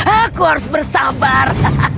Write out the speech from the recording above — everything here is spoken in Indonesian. aku harus bersabar